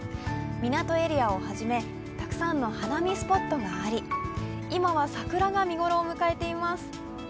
みなとエリアをはじめ、たくさんの浜見スポットがあり、今は桜が見頃を迎えています。